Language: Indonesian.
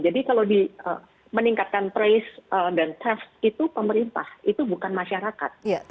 jadi kalau meningkatkan trace dan test itu pemerintah itu bukan masyarakat